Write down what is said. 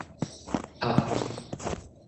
合